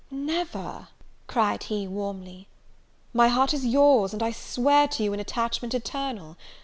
"Never," cried he, warmly, "my heart is your's, and I swear to you an attachment eternal!